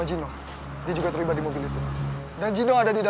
sampai jumpa di video selanjutnya